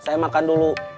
saya makan dulu